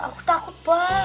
aku takut bal